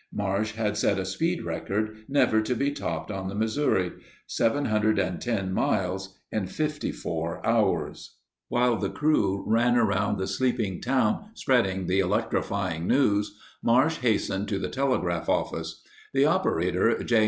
Marsh had set a speed record never to be topped on the Missouri — 710 miles in 54 hours. 73 While the crew ran around the sleeping town spreading the electrifying news, Marsh hastened to the telegraph office. The operator, J.